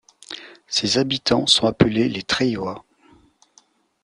Ses habitants sont appelés les Treillois.